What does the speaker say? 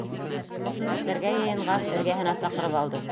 Йомошон үтәргә йыйынғас, эргәһенә саҡырып алды.